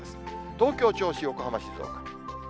東京、銚子、横浜、静岡。